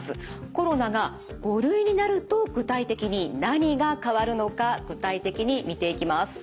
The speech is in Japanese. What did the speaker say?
コロナが５類になると具体的に何が変わるのか具体的に見ていきます。